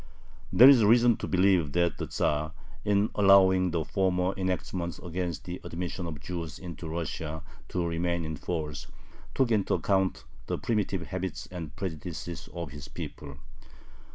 There is reason to believe that the Tzar, in allowing the former enactments against the admission of Jews into Russia to remain in force, took into account the primitive habits and prejudices of his people.